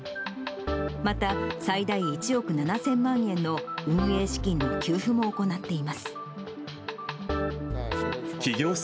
また、最大１億７０００万円の運営資金の給付も行っています。